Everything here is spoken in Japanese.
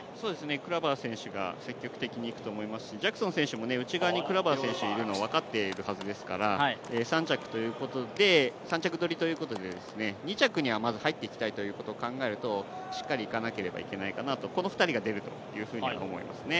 クラバー選手が積極的にいくと思いますしジャクソン選手も内側にクラバー選手いるのが分かっているはずですから３着ということで３着取りということで２着にはまず入っていきたいということを考えるとしっかりいかなければいけないかなとこの２人が出ると思いますね。